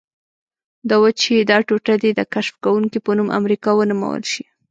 د وچې دا ټوټه دې د کشف کوونکي په نوم امریکا ونومول شي.